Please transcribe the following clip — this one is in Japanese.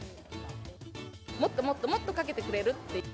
もっともっともっと、かけてくれる？って。